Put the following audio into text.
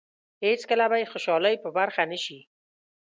هېڅکله به یې خوشالۍ په برخه نه شي.